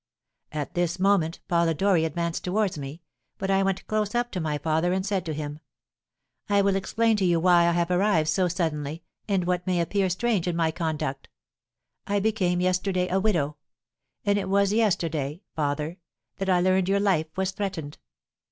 "At this moment Polidori advanced towards me; but I went close up to my father and said to him, 'I will explain to you why I have arrived so suddenly, and what may appear strange in my conduct. I became yesterday a widow; and it was yesterday, father, that I learned your life was threatened.'